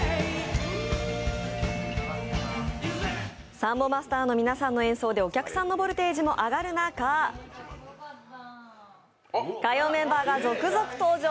サンボマスターの皆さんの演奏でお客さんのボルテージも上がる中、火曜メンバーが続々登場。